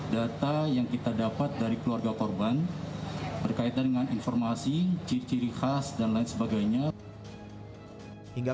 data yang kita dapat dari keluarga korban berkaitan dengan informasi ciri ciri khas dan lain sebagainya